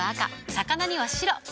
魚には白。